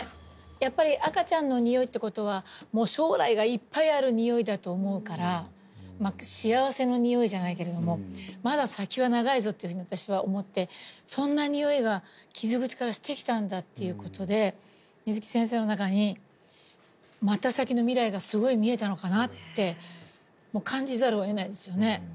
やっぱり赤ちゃんの匂いということは将来がいっぱいある匂いだと思うから幸せの匂いじゃないけれどもまだ先は長いぞっていうふうに私は思ってそんな匂いが傷口からしてきたんだっていうことで水木先生の中にまた先の未来がすごい見えたのかなって感じざるをえないですよね。